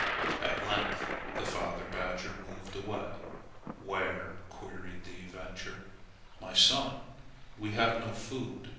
At length the father badger moved away. "Where?" queried the avenger. "My son, we have no food.